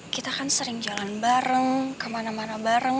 kita kan sering jalan bareng kemana mana bareng